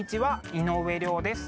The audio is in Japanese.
井上涼です。